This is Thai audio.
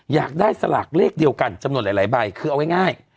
อยากได้สลากเลขเดียวกันจำนวนหลายใบคือเอาง่าย